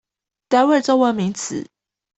單位中文名詞